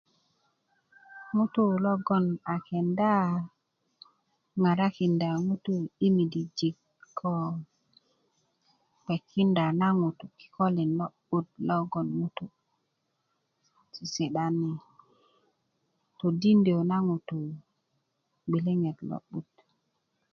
ŋutuu logon a kenda ŋarakinda ŋutuu yimidijik ko kpekinda ŋutuu kikolin lo'but logon ŋutu' sisi'dani todindyö na ŋutuu gbiliŋet lo'but